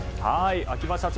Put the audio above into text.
秋葉社長